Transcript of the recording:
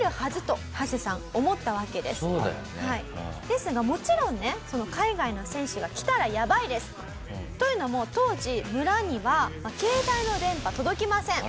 ですがもちろんね海外の選手が来たらやばいです。というのも当時村には携帯の電波届きません。